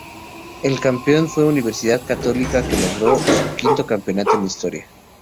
El campeón fue Universidad Católica que logró su quinto campeonato en la historia.